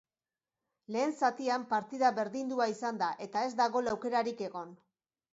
Lehen zatian partida berdindua izan da eta ez da gol aukerarik egon.